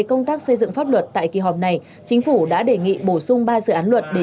chuyên đề một mươi hai